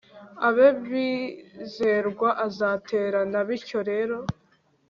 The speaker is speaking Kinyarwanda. abe bizerwa azatererana bityo rero